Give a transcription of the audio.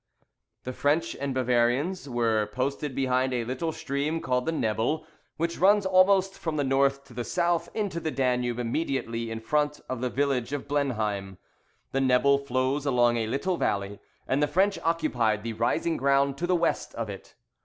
The French and Bavarians were posted behind a little stream called the Nebel, which runs almost from north to south into the Danube immediately in front of the village of Blenheim. The Nebel flows along a little valley, and the French occupied the rising ground to the west of it.